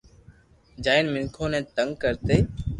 جائين مينکون ني تيگ ڪرتي